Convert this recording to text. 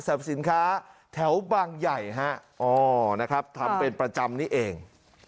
สินค้าแถวบางใหญ่ฮะอ๋อนะครับทำเป็นประจำนี่เอง